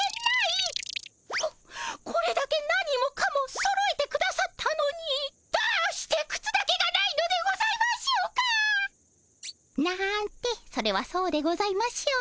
ここれだけ何もかもそろえてくださったのにどうしてくつだけがないのでございましょうか？なんてそれはそうでございましょう。